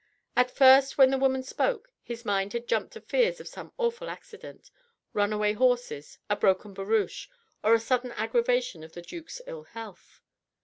At first when the woman spoke, his mind had jumped to fears of some awful accident ... runaway horses ... a broken barouche ... or a sudden aggravation of the duc's ill health.